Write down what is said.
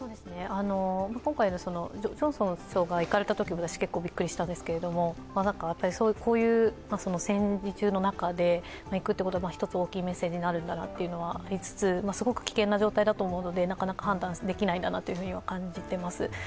今回のジョンソン首相が行かれたときもビックリしたんですけどまさかこういう戦時中の中で行くっていうことは、大きいメッセージになるんだなというのはありつつすごく危険な状態なのでなかなか判断できないとは感じています。